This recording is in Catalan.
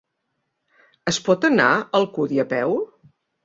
Es pot anar a Alcúdia a peu?